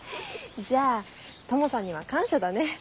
じゃあトモさんには感謝だね。